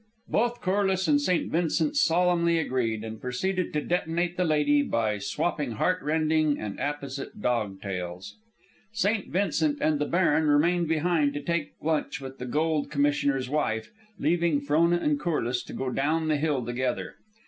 Both Corliss and St. Vincent solemnly agreed, and proceeded to detonate the lady by swapping heart rending and apposite dog tales. St. Vincent and the baron remained behind to take lunch with the Gold Commissioner's wife, leaving Frona and Corliss to go down the hill together.